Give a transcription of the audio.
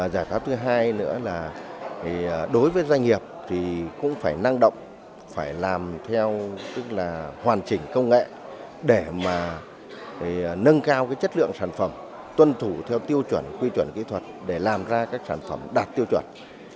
giải pháp thứ hai nữa là đối với doanh nghiệp thì cũng phải năng động phải làm theo tức là hoàn chỉnh công nghệ để mà nâng cao chất lượng sản phẩm tuân thủ theo tiêu chuẩn quy chuẩn kỹ thuật để làm ra các sản phẩm đạt tiêu chuẩn